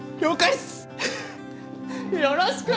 よろしくね！